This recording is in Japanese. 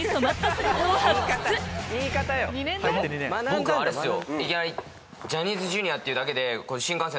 今回あれっすよ。